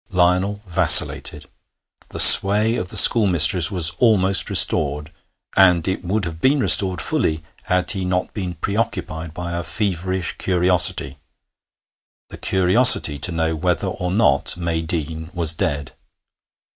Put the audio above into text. Lionel vacillated. The sway of the schoolmistress was almost restored, and it would have been restored fully had he not been preoccupied by a feverish curiosity the curiosity to know whether or not May Deane was dead.